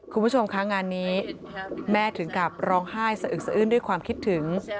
คุณผู้ชมคะงานนี้แม่ถึงกับร้องไห้สะอึกสะอื้นด้วยความคิดถึง